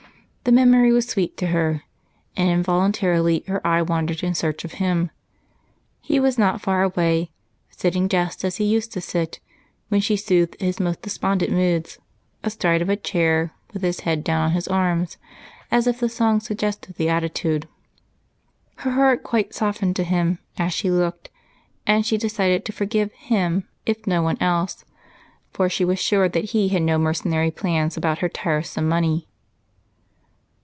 The memory was sweet to her, and involuntarily her eye wandered in search of him. He was not far away, sitting just as he used to sit when she soothed his most despondent moods astride of a chair with his head down on his arms, as if the song suggested the attitude. Her heart quite softened to him as she looked, and she decided to forgive him if no one else, for she was sure that he had no mercenary plans about her tiresome money.